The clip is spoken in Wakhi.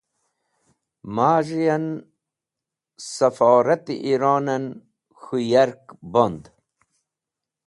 Maz̃hi yan Safort-e Iron en k̃hũ yark bond.